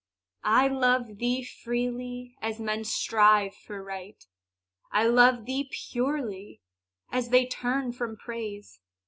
I love thee freely, as men strive for Right; I love thee purely, as they turn from Praise.